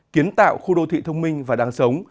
kiến tạo khu đô thị thông minh và đáng sống